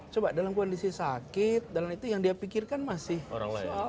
coba dalam kondisi sakit dalam itu yang dia pikirkan masih orang lain